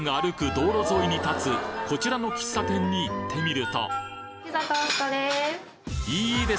道路沿いに建つこちらの喫茶店に行ってみるとピザトーストです。